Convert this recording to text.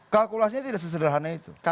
kalkulasinya tidak sesederhana itu